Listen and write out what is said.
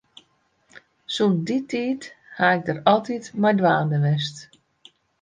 Sûnt dy tiid ha ik dêr altyd mei dwaande west.